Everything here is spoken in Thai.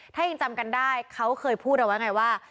ถ้ายังจำกันได้เขาเคยพูดเอาไว้ไงว่า